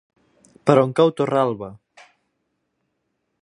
Per on cau Torralba?